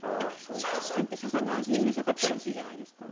シャンシャンってササの味にうるさかったらしいじゃないですか。